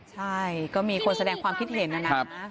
ใช่ก็มีคนแสดงความพิเศษนะนะครับ